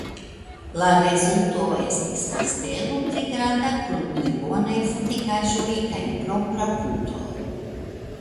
La rezulto estis kastelo pli granda kun pli bonaj fortikaĵoj kaj propra puto.